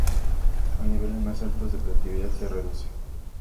A niveles más altos la productividad se reduce.